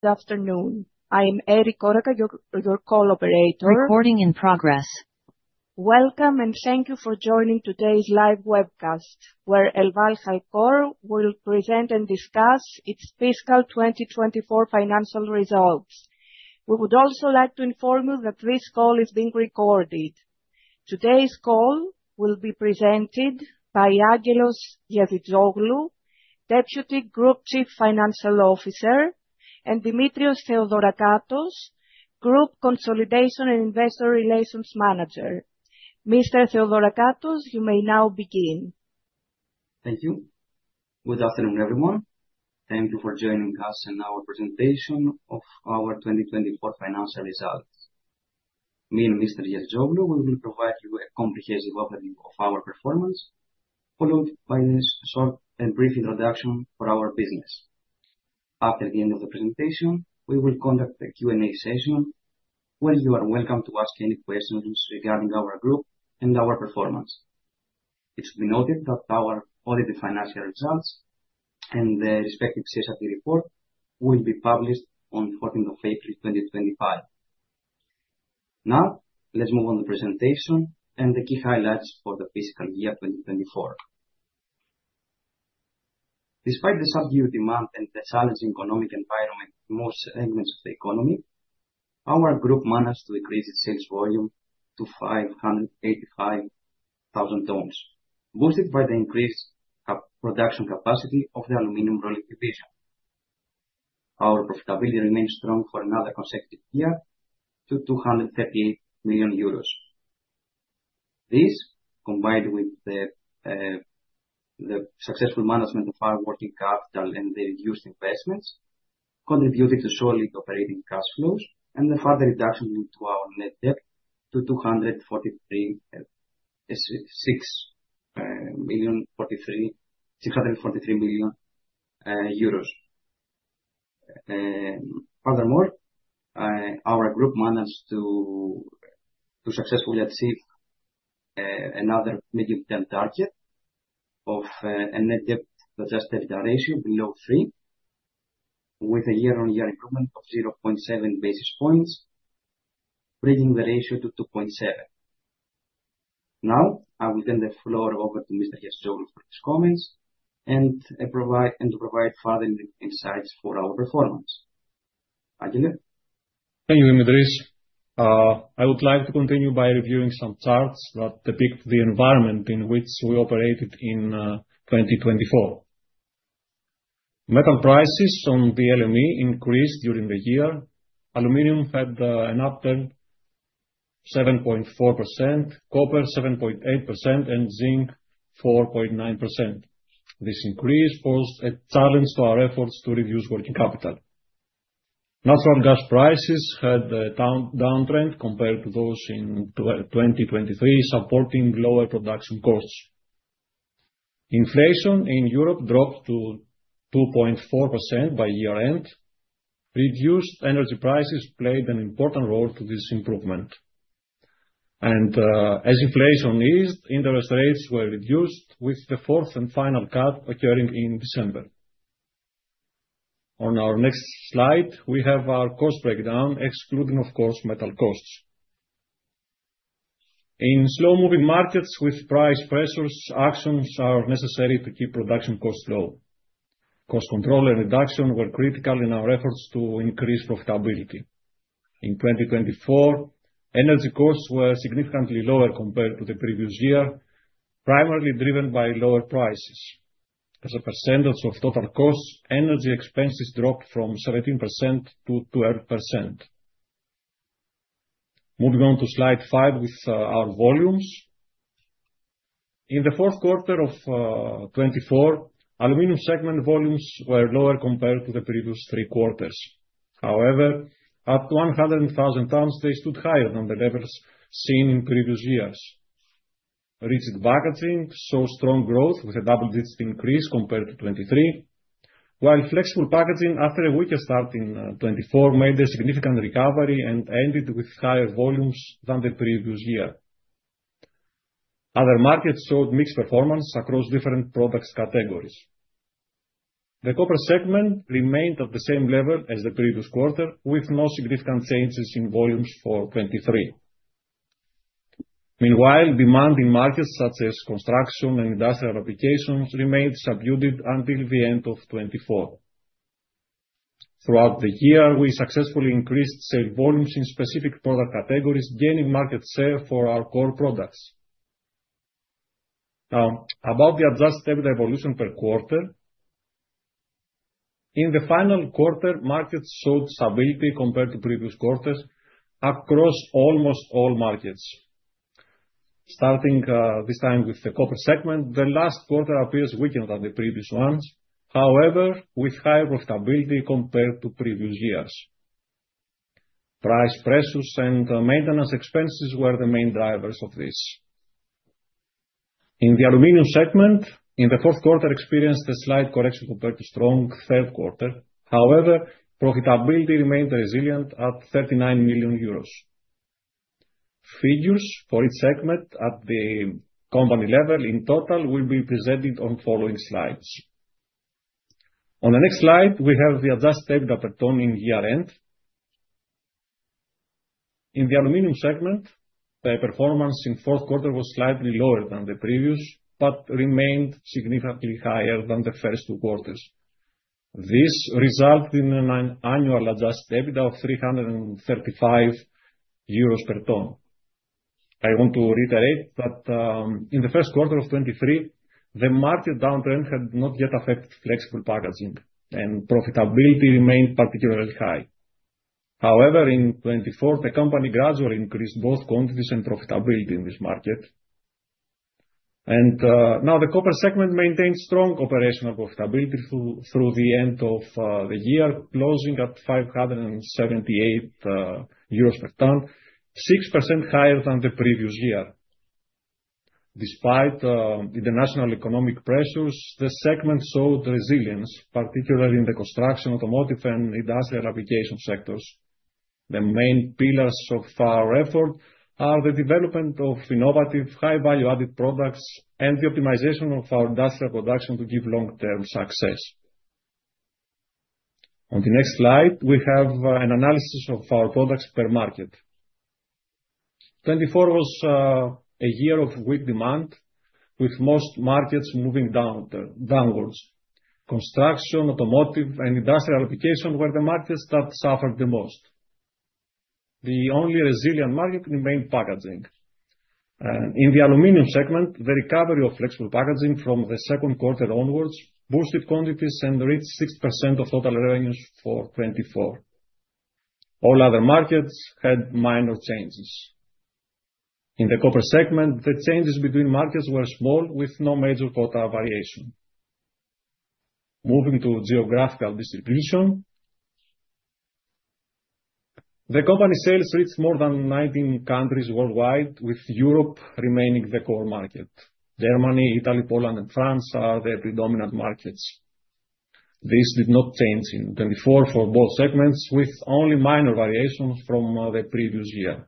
Good afternoon. I am Eric Oreka, your call operator. Recording in progress. Welcome, and thank you for joining today's live webcast, where ElvalHalcor will present and discuss its fiscal 2024 financial results. We would also like to inform you that this call is being recorded. Today's call will be presented by Angelos Giazitzoglou, Deputy Group Chief Financial Officer, and Dimitrios Theodorakatos, Group Consolidation and Investor Relations Manager. Mr. Theodorakatos, you may now begin. Thank you. Good afternoon, everyone. Thank you for joining us in our presentation of our 2024 financial results. Me and Mr. Giazitzoglou, we will provide you a comprehensive overview of our performance, followed by a short and brief introduction for our business. After the end of the presentation, we will conduct a Q&A session where you are welcome to ask any questions regarding our group and our performance. It's to be noted that our audited financial results and the respective CSRD report will be published on fourteenth of April 2025. Now, let's move on to presentation and the key highlights for the fiscal year 2024. Despite the subdued demand and the challenging economic environment in most segments of the economy, our group managed to increase its sales volume to 585,000 tons, boosted by the increased production capacity of the aluminum rolling division. Our profitability remained strong for another consecutive year to 238 million euros. This, combined with the successful management of our working capital and the reduced investments, contributed to solid operating cash flows and a further reduction to our net debt to 643 million euros. Furthermore, our group managed to successfully achieve another medium-term target of a net debt to adjusted EBITDA ratio below three, with a year-on-year improvement of 0.7 basis points, bringing the ratio to 2.7. Now, I will turn the floor over to Mr. Giazitzoglou for his comments and to provide further insights for our performance. Angel? Thank you, Dimitris. I would like to continue by reviewing some charts that depict the environment in which we operated in 2024. Metal prices on the LME increased during the year. Aluminum had an uptick 7.4%, copper 7.8%, and zinc 4.9%. This increase posed a challenge to our efforts to reduce working capital. Natural gas prices had a downtrend compared to those in 2023, supporting lower production costs. Inflation in Europe dropped to 2.4% by year-end. Reduced energy prices played an important role to this improvement. As inflation eased, interest rates were reduced, with the fourth and final cut occurring in December. On our next slide, we have our cost breakdown, excluding, of course, metal costs. In slow-moving markets with price pressures, actions are necessary to keep production costs low. Cost control and reduction were critical in our efforts to increase profitability. In 2024, energy costs were significantly lower compared to the previous year, primarily driven by lower prices. As a percentage of total costs, energy expenses dropped from 17%-12%. Moving on to slide five with our volumes. In the fourth quarter of 2024, aluminum segment volumes were lower compared to the previous three quarters. However, at 100,000 tons, they stood higher than the levels seen in previous years. Rigid packaging saw strong growth with a double-digit increase compared to 2023, while flexible packaging, after a weaker start in 2024, made a significant recovery and ended with higher volumes than the previous year. Other markets showed mixed performance across different products categories. The copper segment remained at the same level as the previous quarter, with no significant changes in volumes for 2023. Meanwhile, demand in markets such as construction and industrial applications remained subdued until the end of 2024. Throughout the year, we successfully increased sale volumes in specific product categories, gaining market share for our core products. About the adjusted evolution per quarter. In the final quarter, markets showed stability compared to previous quarters across almost all markets. Starting this time with the copper segment, the last quarter appears weaker than the previous ones, however, with high profitability compared to previous years. Price pressures and maintenance expenses were the main drivers of this. In the aluminum segment, in the fourth quarter, experienced a slight correction compared to strong third quarter. However, profitability remained resilient at 39 million euros. Figures for each segment at the company level in total will be presented on following slides. On the next slide, we have the adjusted EBITDA at year-end. In the aluminum segment, the performance in fourth quarter was slightly lower than the previous, but remained significantly higher than the first two quarters. This resulted in an annual adjusted EBITDA of 335 euros per ton. I want to reiterate that in the first quarter of 2023, the market downturn had not yet affected flexible packaging, and profitability remained particularly high. However, in 2024, the company gradually increased both quantities and profitability in this market. Now the copper segment maintained strong operational profitability through the end of the year, closing at 578 euros per ton, 6% higher than the previous year. Despite international economic pressures, the segment showed resilience, particularly in the construction, automotive, and industrial application sectors. The main pillars of our effort are the development of innovative high-value added products and the optimization of our industrial production to give long-term success. On the next slide, we have an analysis of our products per market. 2024 was a year of weak demand with most markets moving downwards. Construction, automotive, and industrial application were the markets that suffered the most. The only resilient market remained packaging. In the aluminum segment, the recovery of flexible packaging from the second quarter onwards boosted quantities and reached 6% of total revenues for 2024. All other markets had minor changes. In the copper segment, the changes between markets were small, with no major quarter variation. Moving to geographical distribution. The company sales reached more than 19 countries worldwide, with Europe remaining the core market. Germany, Italy, Poland, and France are the predominant markets. This did not change in 2024 for both segments, with only minor variations from the previous year.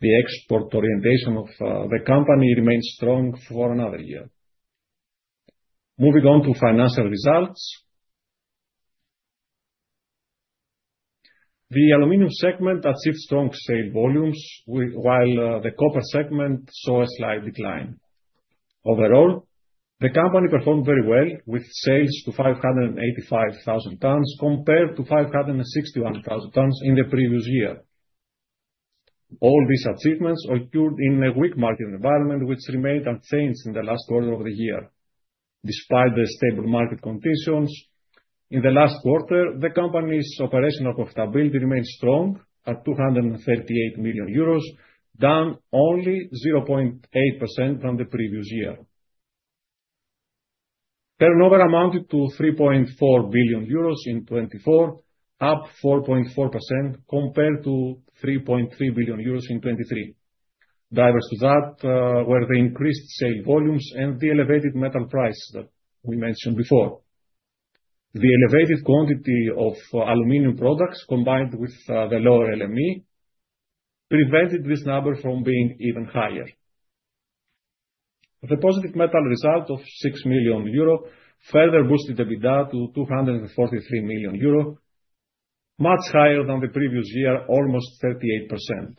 The export orientation of the company remains strong for another year. Moving on to financial results. The aluminum segment achieved strong sales volumes while the copper segment saw a slight decline. Overall, the company performed very well, with sales to 585,000 tons compared to 561,000 tons in the previous year. All these achievements occurred in a weak market environment which remained unchanged in the last quarter of the year. Despite the stable market conditions, in the last quarter, the company's operational profitability remained strong at EUR 238 million, down only 0.8% from the previous year. Turnover amounted to 3.4 billion euros in 2024, up 4.4% compared to 3.3 billion euros in 2023. Diversely to that, were the increased sales volumes and the elevated metal price that we mentioned before. The elevated quantity of aluminum products, combined with the lower LME, prevented this number from being even higher. The positive metal result of 6 million euro further boosted EBITDA to 243 million euro, much higher than the previous year, almost 38%.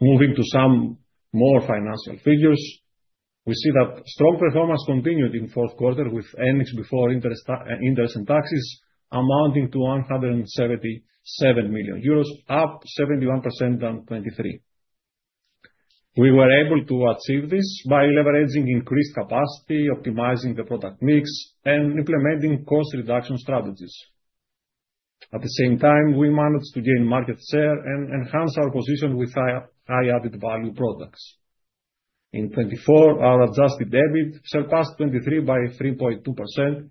Moving to some more financial figures, we see that strong performance continued in fourth quarter, with earnings before interest and taxes amounting to 177 million euros, up 71% from 2023. We were able to achieve this by leveraging increased capacity, optimizing the product mix, and implementing cost reduction strategies. At the same time, we managed to gain market share and enhance our position with high added-value products. In 2024, our adjusted EBIT surpassed 2023 by 3.2%,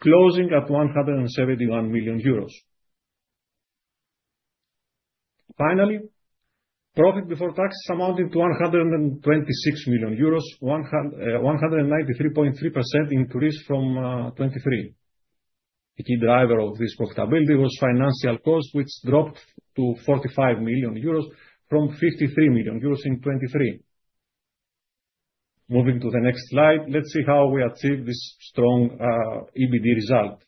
closing at EUR 171 million. Finally, profit before taxes amounted to 126 million euros, 193.3% increase from 2023. The key driver of this profitability was financial costs, which dropped to 45 million euros from 53 million euros in 2023. Moving to the next slide, let's see how we achieved this strong EBITDA result.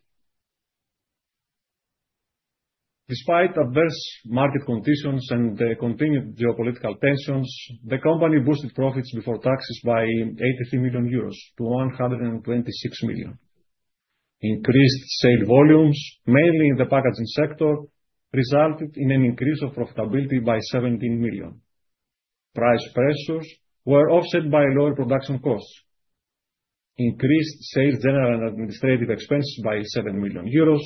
Despite adverse market conditions and the continued geopolitical tensions, the company boosted profits before taxes by 83 million-126 million euros. Increased sale volumes, mainly in the packaging sector, resulted in an increase of profitability by 17 million. Price pressures were offset by lower production costs, increased sales general and administrative expenses by 7 million euros.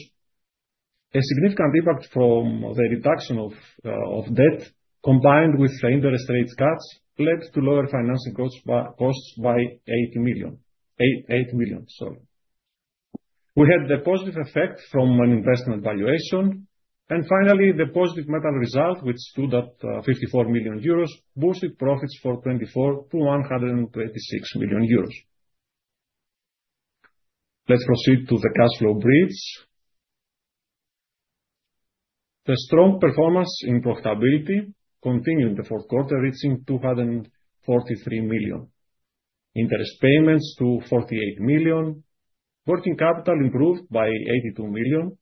A significant impact from the reduction of debt, combined with interest rates cuts, led to lower financing costs by 8 million. We had the positive effect from an investment valuation. Finally, the positive metal result, which stood at 54 million euros, boosted profits from 24 million-126 million euros. Let's proceed to the cash flow bridge. The strong performance in profitability continued in the fourth quarter, reaching 243 million. Interest payments to 48 million. Working capital improved by 82 million.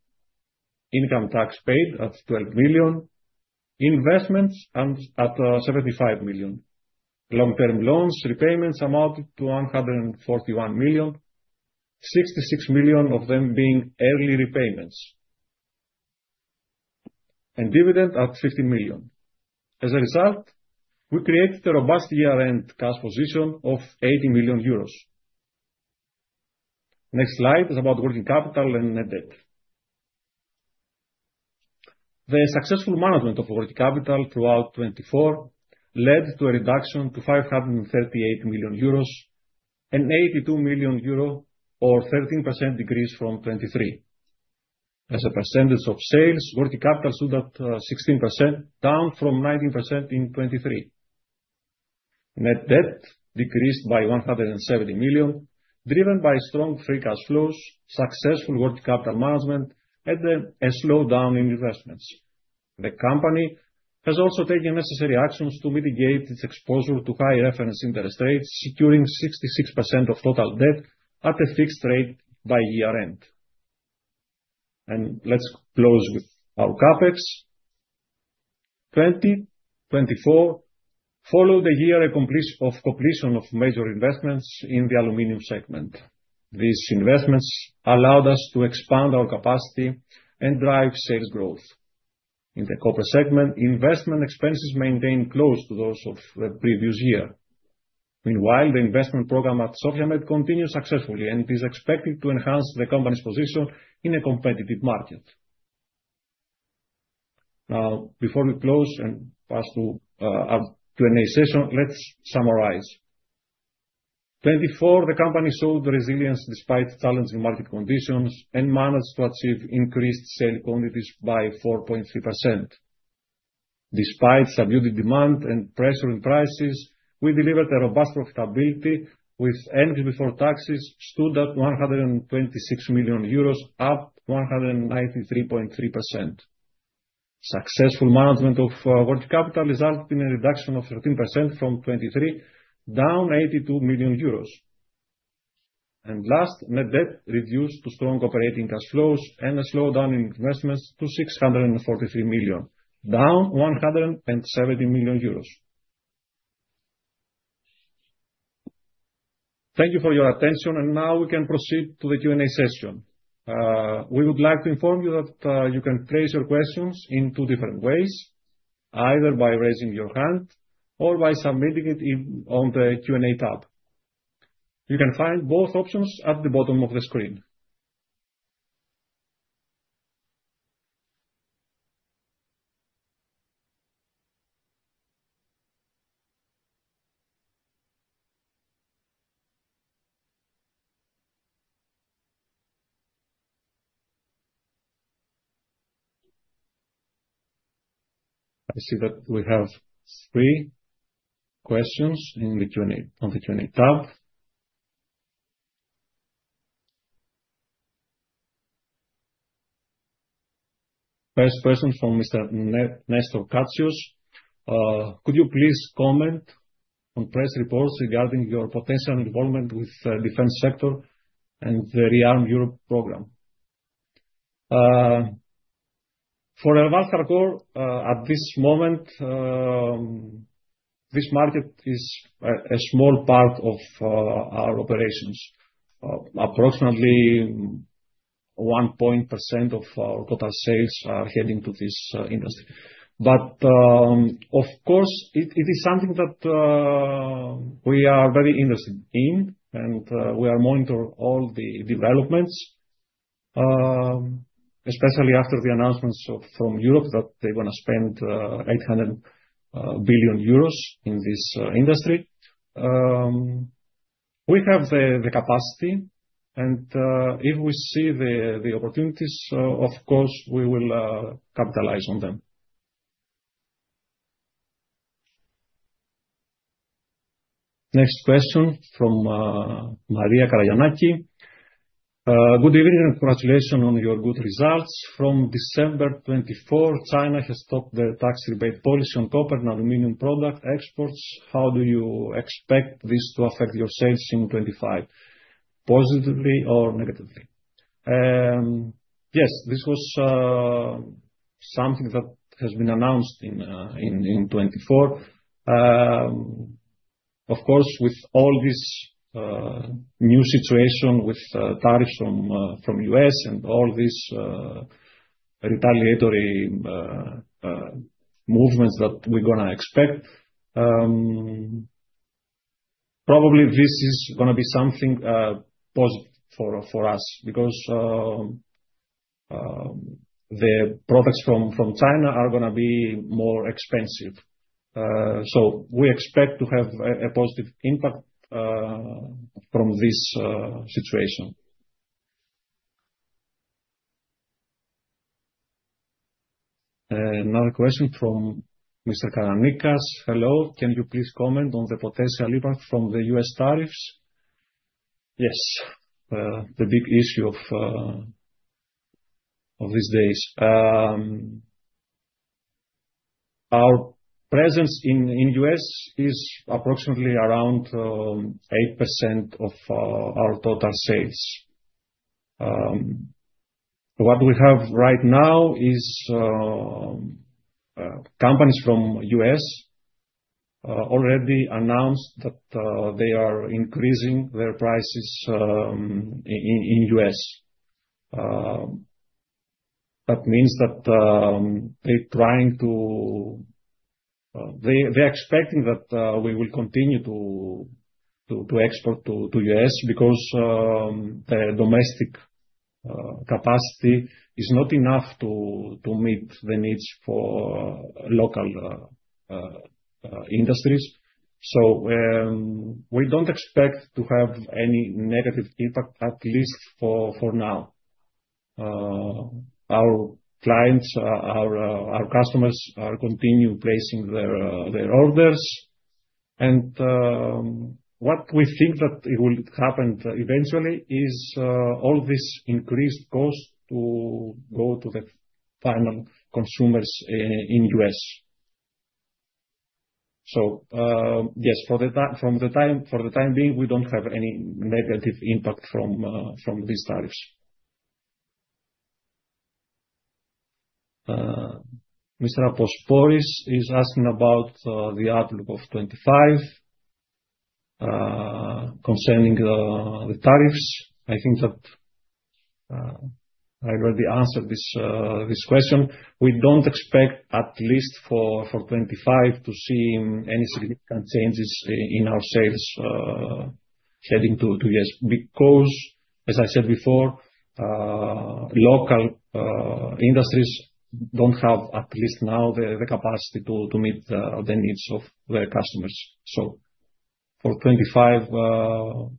Income tax paid at 12 million. Investments at 75 million. Long-term loans repayments amounted to 141 million. 66 million of them being early repayments. Dividend at 50 million. As a result, we created a robust year-end cash position of 80 million euros. Next slide is about working capital and net debt. The successful management of working capital throughout 2024 led to a reduction to 538 million euros, an 82 million euro or 13% decrease from 2023. As a percentage of sales, working capital stood at 16%, down from 19% in 2023. Net debt decreased by 170 million, driven by strong free cash flows, successful working capital management, and then a slowdown in investments. The company has also taken necessary actions to mitigate its exposure to high reference interest rates, securing 66% of total debt at a fixed rate by year-end. Let's close with our CapEx. 2024 followed the year of completion of major investments in the aluminum segment. These investments allowed us to expand our capacity and drive sales growth. In the copper segment, investment expenses maintained close to those of the previous year. Meanwhile, the investment program at Sofia Med continues successfully and is expected to enhance the company's position in a competitive market. Now, before we close and pass to our Q&A session, let's summarize. 2024, the company showed resilience despite challenging market conditions and managed to achieve increased sale quantities by 4.3%. Despite subdued demand and pressure in prices, we delivered a robust profitability with earnings before taxes stood at 126 million euros, up 193.3%. Successful management of working capital resulted in a reduction of 13% from 2023, down 82 million euros. Last, net debt reduced to strong operating cash flows and a slowdown in investments to 643 million, down 170 million euros. Thank you for your attention, and now we can proceed to the Q&A session. We would like to inform you that you can place your questions in two different ways, either by raising your hand or by submitting it in, on the Q&A tab. You can find both options at the bottom of the screen. I see that we have three questions in the Q&A, on the Q&A tab. First question from Mr. Nestor Katsios. Could you please comment on press reports regarding your potential involvement with defense sector and the ReArm Europe program? For ElvalHalcor, at this moment, this market is a small part of our operations. Approximately 1% of our total sales are heading to this industry. Of course, it is something that we are very interested in, and we are monitoring all the developments, especially after the announcements from Europe that they wanna spend 800 billion euros in this industry. We have the capacity and if we see the opportunities, of course, we will capitalize on them. Next question from Maria Karagiannakis. Good evening and congratulations on your good results. From December 2024, China has stopped their tax rebate policy on copper and aluminum product exports. How do you expect this to affect your sales in 2025, positively or negatively? Yes, this was something that has been announced in 2024. Of course, with all this new situation with tariffs from U.S. and all this retaliatory movements that we're gonna expect, probably this is gonna be something positive for us because the products from China are gonna be more expensive. We expect to have a positive impact from this situation. Another question from Mr. Karanikas. Hello. Can you please comment on the potential impact from the U.S. tariffs? Yes. The big issue of these days. Our presence in U.S. is approximately around 8% of our total sales. What we have right now is companies from U.S. already announced that they are increasing their prices in U.S. That means that they're trying to. They're expecting that we will continue to export to U.S. because their domestic capacity is not enough to meet the needs for local industries. We don't expect to have any negative impact, at least for now. Our clients, our customers are continue placing their orders. What we think that it will happen eventually is, all this increased cost to go to the final consumers in U.S. Yes, for the time being, we don't have any negative impact from these tariffs. Mr. Apostolis is asking about the outlook of 2025 concerning the tariffs. I think that I already answered this question. We don't expect, at least for 2025, to see any significant changes in our sales heading to U.S. As I said before, local industries don't have, at least now, the capacity to meet the needs of their customers. For 2025,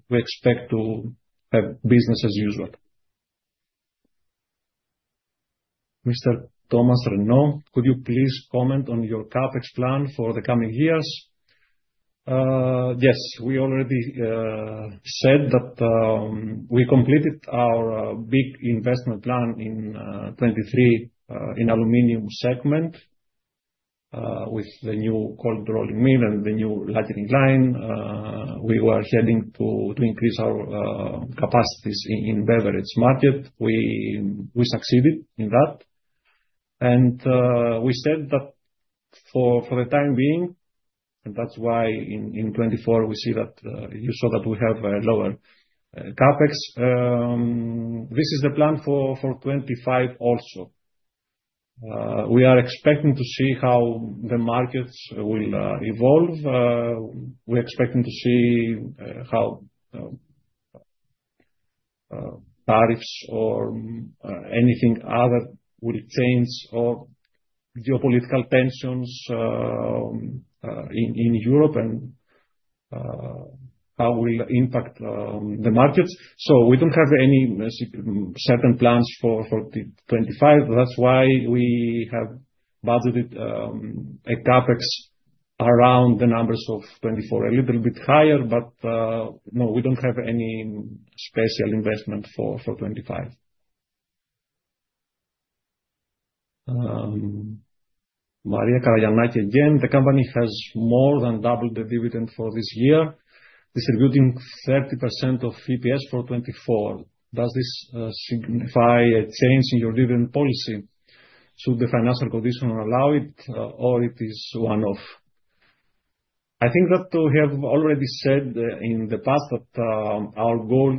we expect to have business as usual. Mr. Thomas Renaud, could you please comment on your CapEx plan for the coming years? Yes. We already said that we completed our big investment plan in 2023 in aluminum segment with the new cold rolling mill and the new lacquering line. We were heading to increase our capacities in beverage market. We succeeded in that. We said that for the time being, and that's why in 2024 we see that you saw that we have a lower CapEx. This is the plan for 2025 also. We are expecting to see how the markets will evolve. We're expecting to see how tariffs or anything other will change, or geopolitical tensions in Europe and how will impact the markets. We don't have any certain plans for 2025. That's why we have budgeted a CapEx around the numbers of 24. A little bit higher, but no, we don't have any special investment for 2025. Maria Karagiannakis again. The company has more than doubled the dividend for this year, distributing 30% of EPS for 2024. Does this signify a change in your dividend policy should the financial conditions allow it, or it is one-off? I think that we have already said in the past that our goal,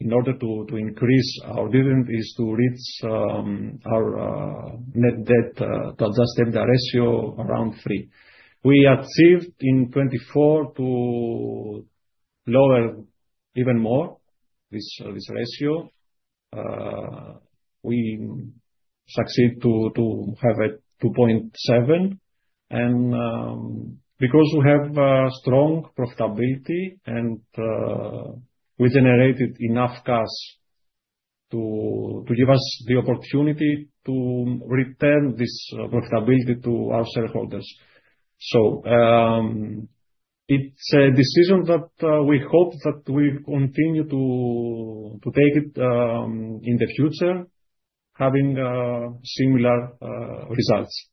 in order to increase our dividend, is to reach our net debt to adjusted EBITDA ratio around three. We achieved in 2024 to lower even more this ratio. We succeed to have it 2.7. Because we have a strong profitability and we generated enough cash to give us the opportunity to return this profitability to our shareholders. It's a decision that we hope that we continue to take it in the future, having similar results.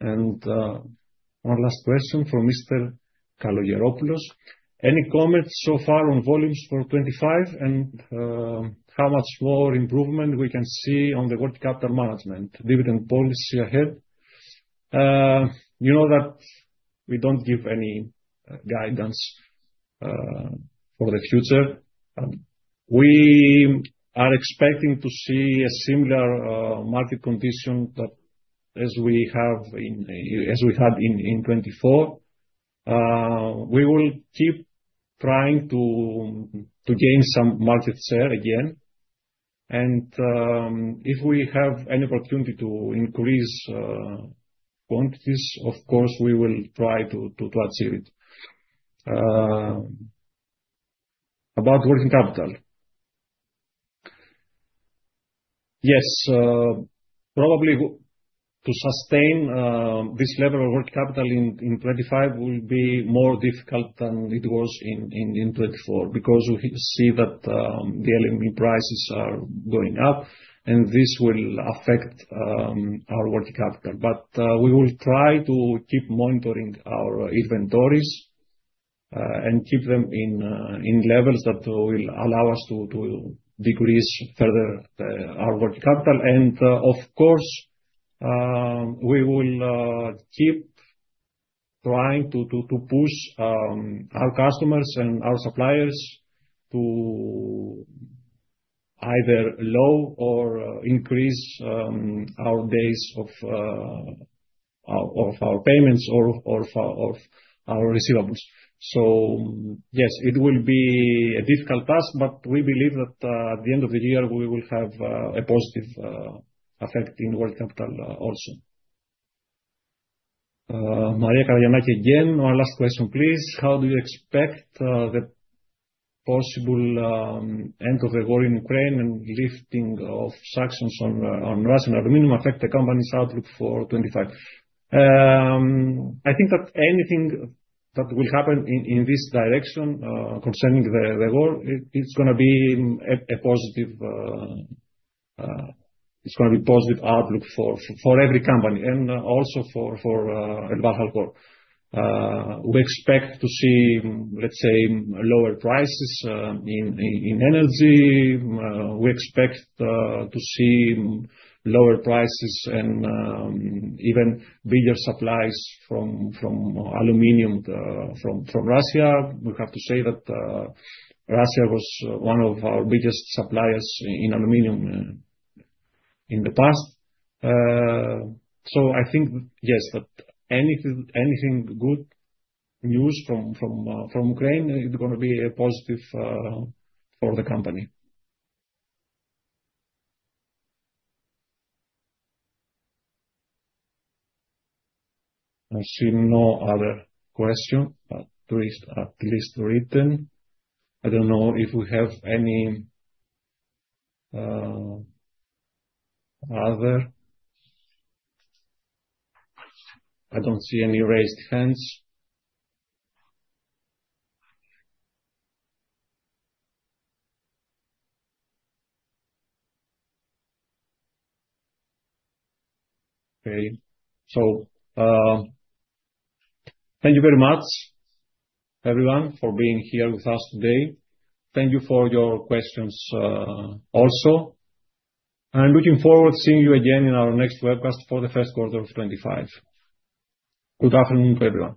One last question from Mr. Kalogeropoulos. Any comments so far on volumes for 2025 and how much more improvement we can see on the working capital management dividend policy ahead? You know that we don't give any guidance for the future. We are expecting to see a similar market condition as we had in 2024. We will keep trying to gain some market share again. If we have any opportunity to increase quantities, of course, we will try to achieve it. About working capital. Probably to sustain this level of working capital in 2025 will be more difficult than it was in 2024. Because we see that the LME prices are going up, and this will affect our working capital. We will try to keep monitoring our inventories and keep them in levels that will allow us to decrease further our working capital. Of course, we will keep trying to push our customers and our suppliers to either lower or increase our days of payments or of our receivables. Yes, it will be a difficult task, but we believe that at the end of the year, we will have a positive effect in working capital also. Maria Karagiannakis again. One last question, please. How do you expect the possible end of the war in Ukraine and lifting of sanctions on Russian aluminum affect the company's outlook for 2025? I think that anything that will happen in this direction concerning the war, it's gonna be positive outlook for every company, and also for ElvalHalcor. We expect to see, let's say, lower prices in energy. We expect to see lower prices and even bigger supplies from aluminum from Russia. We have to say that Russia was one of our biggest suppliers in aluminum in the past. I think, yes, that anything good news from Ukraine, it gonna be a positive for the company. I see no other question, at least written. I don't know if we have any other. I don't see any raised hands. Okay. Thank you very much everyone for being here with us today. Thank you for your questions also. I'm looking forward to seeing you again in our next webcast for the first quarter of 2025. Good afternoon, everyone.